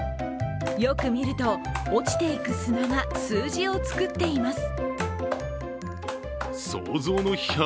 よく見ると、落ちていく砂が数字を作っています。